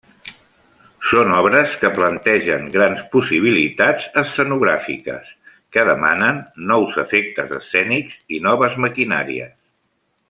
Són obres que plantegen grans possibilitats escenogràfiques, que demanen nous efectes escènics i noves maquinàries.